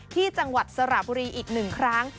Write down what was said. ที่จังหวัดสระบุรีอีกหนึ่งครั้ง